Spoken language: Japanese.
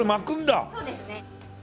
そうですね。